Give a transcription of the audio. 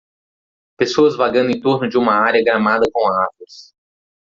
Pessoas vagando em torno de uma área gramada com árvores.